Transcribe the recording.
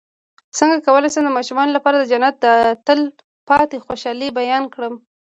څنګه کولی شم د ماشومانو لپاره د جنت د تل پاتې خوشحالۍ بیان کړم